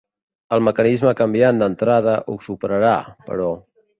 El mecanisme canviant d'entrada ho superarà, però.